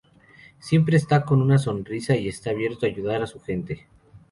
Siempre está con una sonrisa y está abierto a ayudar a su gente.